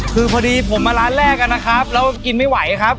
คือพอดีผมมาร้านแรกนะครับแล้วกินไม่ไหวครับ